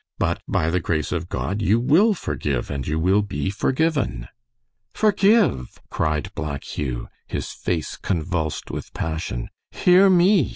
"But, by the grace of God, you will forgive, and you will be forgiven." "Forgive!" cried Black Hugh, his face convulsed with passion. "Hear me!"